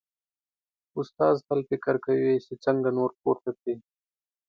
استاد تل فکر کوي چې څنګه نور پورته کړي.